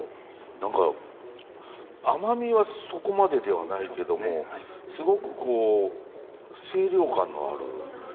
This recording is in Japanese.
何か甘みはそこまでではないけどもすごく清涼感のある味になってるな。